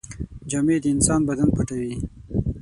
جامې د انسان بدن پټوي.